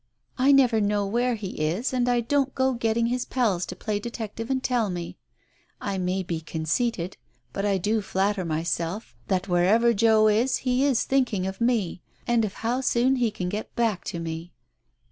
I never know where he is Digitized by Google 64 TALES OF THE UNEASY and I don't go getting his pals to play detective and tell me. I may be conceited, but I do flatter myself, that wherever Joe is, he is thinking of me, and of how soon he can get back to me."